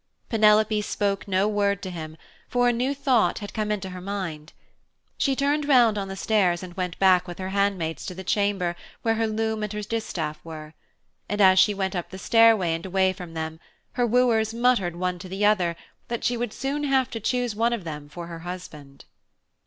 Penelope spoke no word to him, for a new thought had come into her mind. She turned round on the stairs and went back with her hand maids to the chamber where her loom and her distaff were. And as she went up the stairway and away from them her wooers muttered one to the other that she would soon have to choose one of them for her husband.